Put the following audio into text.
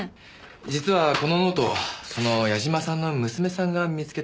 実はこのノートその矢嶋さんの娘さんが見つけたんです。